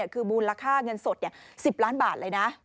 คือมูลค่าเงินสด๑๐ล้านบาทเลยนะ